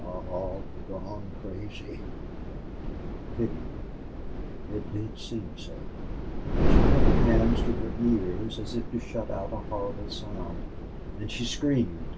"Aw! Gone crazy!" muttered King, pityingly. It did seem so. She put her hands to her ears as if to shut out a horrible sound. And she screamed.